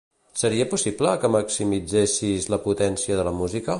Seria possible que maximitzessis la potència de la música?